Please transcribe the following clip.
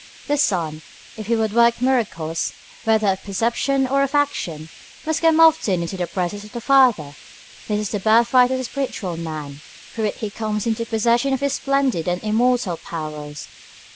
The Son, if he would work miracles, whether of perception or of action, must come often into the presence of the Father. This is the birthright of the spiritual man; through it he comes into possession of his splendid and immortal powers.